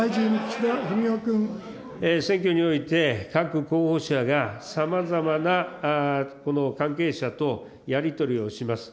選挙において、各候補者が、さまざまな関係者とやり取りをします。